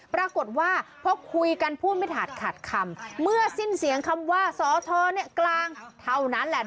ปรากฏว่าพอคุยกันพูดไม่ถาดขาดคำเมื่อสิ้นเสียงคำว่าสอทรกลางเท่านั้นแหละ